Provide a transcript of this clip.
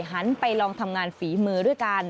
หันไปลองทำงานฝีมือด้วยกัน